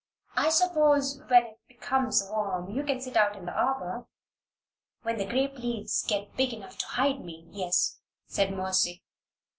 "I suppose, when it comes warm, you can sit out in the arbor?" "When the grape leaves get big enough to hide me yes," said Mercy.